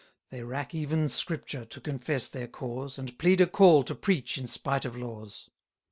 They rack even Scripture to confess their cause, And plead a call to preach in spite of laws.